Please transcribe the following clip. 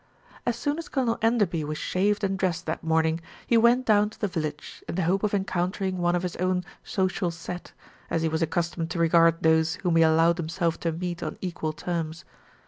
As soon as Colonel Enderby was shaved and dressed that morning, he went down to the village in the hope of encountering one of his own "social set," as he was accustomed to regard those whom he allowed himself to meet on equal terms.